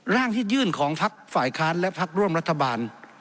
ร่างที่ยื่นของพักฝ่ายค้านและพักร่วมรัฐบาล